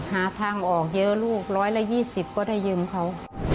หาทางออกเยอะลูก๑๒๐ก็ได้ยืมเขา